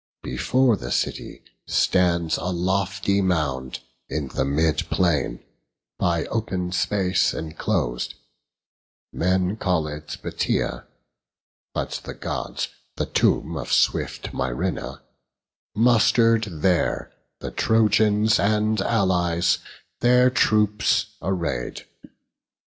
Before the city stands a lofty mound, In the mid plain, by open space enclos'd; Men call it Batiaea; but the Gods The tomb of swift Myrinna; muster'd there The Trojans and Allies their troops array'd.